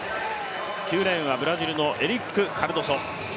９レーンはブラジルのエリック・カルドソ。